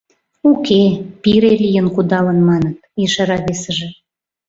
— Уке, пире лийын кудалын, маныт, — ешара весыже.